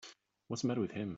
What's the matter with him.